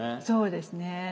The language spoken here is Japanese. そうですね。